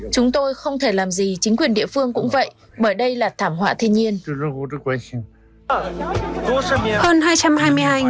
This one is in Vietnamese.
chúng tôi không thể làm gì chính quyền địa phương cũng vậy bởi đây là thảm họa thiên nhiên